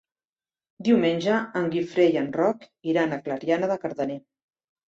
Diumenge en Guifré i en Roc iran a Clariana de Cardener.